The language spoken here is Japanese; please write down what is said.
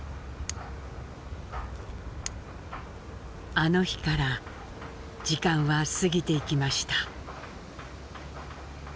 あの日から時間は過ぎていきました。